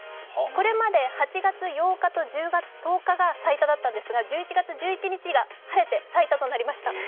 これまで８月８日と１０月１０日が最多だったんですが１１月１１日が晴れて最多となりました。